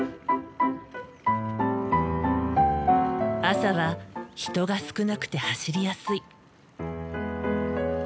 朝は人が少なくて走りやすい。